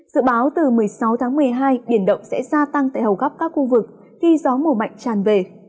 dự báo từ một mươi sáu tháng một mươi hai biển động sẽ gia tăng tại hầu khắp các khu vực khi gió mùa mạnh tràn về